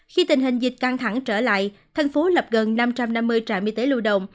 khi tình hình dịch căng thẳng trở lại thành phố lập gần năm trăm năm mươi trạm y tế lưu động